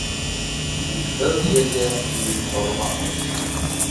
Утһыҙ ергә ил ҡорма.